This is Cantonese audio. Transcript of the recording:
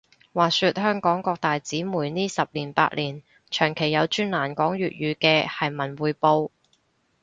話說香港各大紙媒呢十年八年，長期有專欄講粵語嘅係文匯報